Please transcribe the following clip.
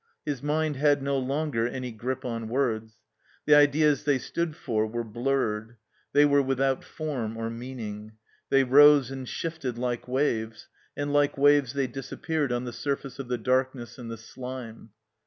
His mind had no longer any grip on words. The ideas they stood for were blurred; they were without form or meaning; they rose and shifted like waves, and like waves they disappeared on the surface of the darkness and the slime.